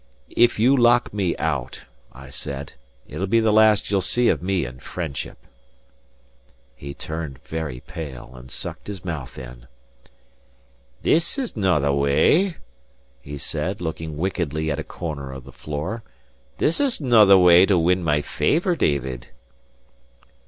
"If you lock me out," I said, "it'll be the last you'll see of me in friendship." He turned very pale, and sucked his mouth in. "This is no the way," he said, looking wickedly at a corner of the floor "this is no the way to win my favour, David."